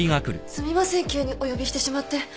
すみません急にお呼びしてしまって。